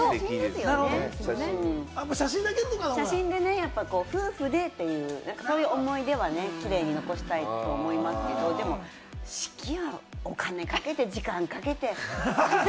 写真でね、夫婦でというね、そういう思い出はキレイに残したいと思いますけれども、でも式は、お金かけて時間かけて。